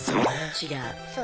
違う。